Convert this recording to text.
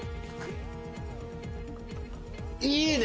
いいね！